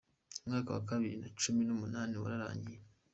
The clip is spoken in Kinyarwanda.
Umwaka wa bibiri na cumi n’umunani wararangiye.